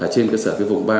trên cơ sở vùng ba